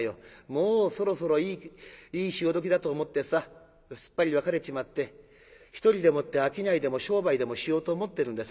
もうそろそろいい潮時だと思ってさすっぱり別れちまって一人でもって商いでも商売でもしようと思ってるんだ。